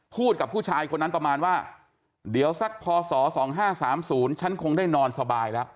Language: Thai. กับผู้ชายคนนั้นประมาณว่าเดี๋ยวสักพศ๒๕๓๐ฉันคงได้นอนสบายแล้ว